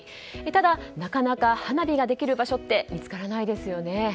ただなかなか花火ができる場所って見つからないですよね。